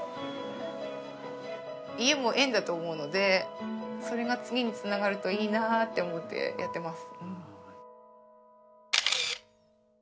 家も縁だと思うのでそれが次につながるといいなって思ってやってます。